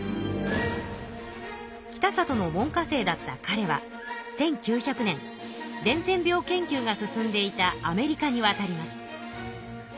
北里の門下生だったかれは１９００年伝染病研究が進んでいたアメリカにわたります。